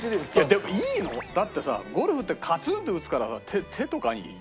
でもいいの？だってさゴルフってカツンって打つから手とかにいい？